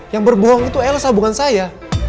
yang berbohong itu elsa bukan saya